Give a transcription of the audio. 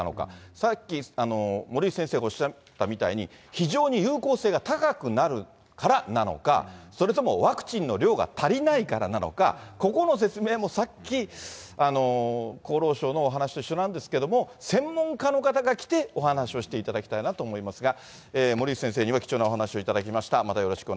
さっき森内先生がおっしゃったみたいに、非常に有効性が高くなるからなのか、それともワクチンの量が足りないからなのか、ここの説明もさっき、厚労省のお話と一緒なんですけれども、専門家の方が来てお話をしていただきたいなと思いますが、森内先生には貴重なお話をしていただきました。